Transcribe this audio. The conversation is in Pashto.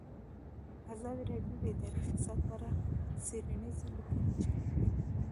ازادي راډیو د اداري فساد په اړه څېړنیزې لیکنې چاپ کړي.